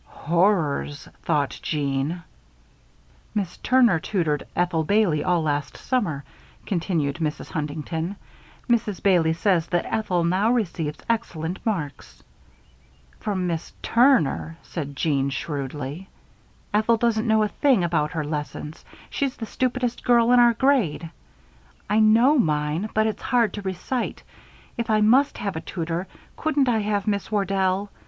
"Horrors!" thought Jeanne. "Miss Turner tutored Ethel Bailey all last summer," continued Mrs. Huntington. "Mrs. Bailey says that Ethel now receives excellent marks." "From Miss Turner," said Jeanne, shrewdly. "Ethel doesn't know a thing about her lessons. She's the stupidest girl in our grade. I know mine, but it's hard to recite. If I must have a tutor, couldn't I have Miss Wardell?